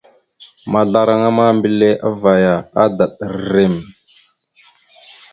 Maazlaraŋa ma, mbelle avvaya, adaɗ rrem.